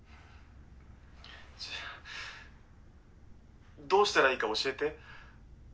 じゃあどうしたらいいか教えて？